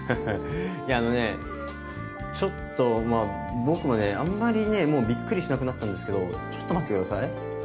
いやあのねちょっとまあ僕もねあんまりねもうびっくりしなくなったんですけどちょっと待って下さい。